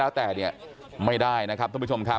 แต่ว่าวินนิสัยดุเสียงดังอะไรเป็นเรื่องปกติอยู่แล้วครับ